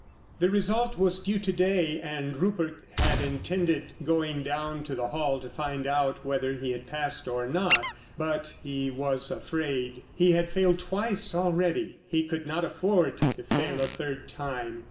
The result was due to day, and Rupert had intended going down to the hall to find out whether he had passed or not. But he was afraid. He had failed twice already. He could not afford to fail a third time.